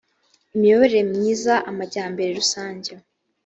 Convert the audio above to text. imiyoborere myiza amajyambere rusange